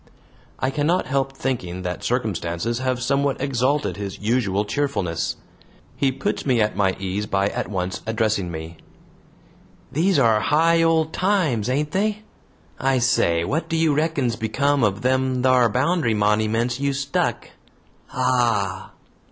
I cannot help thinking that circumstances have somewhat exalted his usual cheerfulness. He puts me at my ease by at once addressing me: "These are high old times, ain't they? I say, what do you reckon's become o' them thar bound'ry moniments you stuck? Ah!"